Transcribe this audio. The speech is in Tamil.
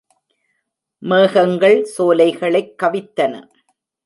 மேகங்கள் சோலைகளைக் கவித்தன.